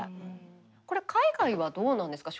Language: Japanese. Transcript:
これ海外はどうなんですか。